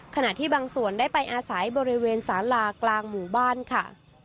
ขณะที่บางส่วนได้ไปอาศัยบริเวณสารากลางหมู่บ้านค่ะ